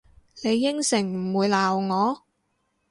你應承唔會鬧我？